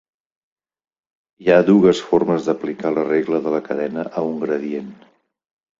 HI ha dues formes d'aplicar la regla de la cadena a un gradient.